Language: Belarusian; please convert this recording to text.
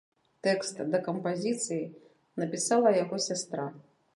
Тэкст да кампазіцыі напісала яго сястра.